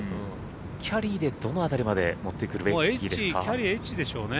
キャリーでどの辺りまで持っていくべきですか？